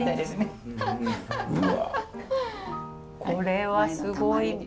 これはすごい。